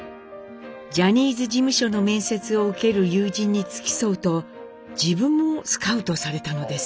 ジャニーズ事務所の面接を受ける友人に付き添うと自分もスカウトされたのです。